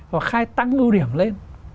và khai tăng ưu điểm lên